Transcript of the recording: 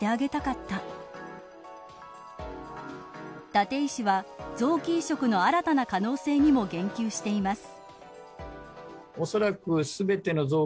伊達医師は臓器移植の新たな可能性にも言及しています。